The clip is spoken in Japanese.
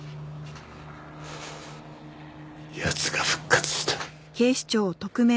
奴が復活した。